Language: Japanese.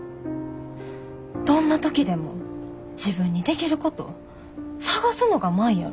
どんな時でも自分にできること探すのが舞やろ？